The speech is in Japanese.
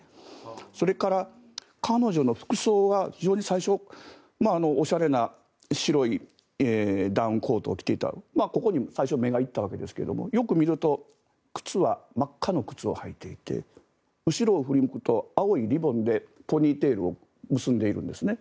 それから、彼女の服装は非常に最初、おしゃれな白いダウンコートを着ていたとここに最初目が行ったわけですがよく見ると靴は真っ赤な靴を履いていて後ろを振り向くと青いリボンでポニーテールを結んでいるんですね。